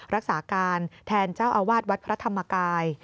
รักษาการแทนเจ้าอาวาสวัดพระธรรมกาย